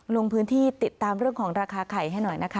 ลงพื้นที่ติดตามเรื่องของราคาไข่ให้หน่อยนะคะ